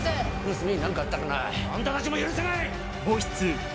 娘に何かあったらなあんたたちも許さない！